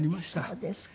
そうですか。